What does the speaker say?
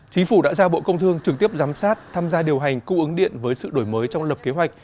chính phủ đã ra bộ công thương trực tiếp giám sát tham gia điều hành cung ứng điện với sự đổi mới trong lập kế hoạch